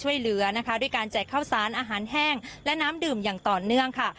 ช่วยเหลือนะคะด้วยการแจกข้าวสารอาหารแห้งและน้ำดื่มอย่างต่อเนื่องค่ะ